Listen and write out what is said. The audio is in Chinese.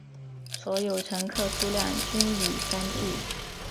所有乘客数量均以千计。